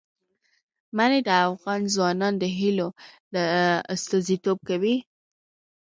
منی د افغان ځوانانو د هیلو استازیتوب کوي.